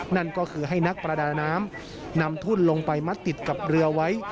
นั่นก็คือให้นักประดาน้ำนำทุ่นลงไปมัดติดกับเรือไว้